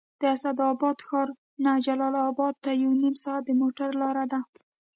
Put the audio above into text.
د اسداباد ښار نه جلال اباد ته یو نیم ساعت د موټر لاره ده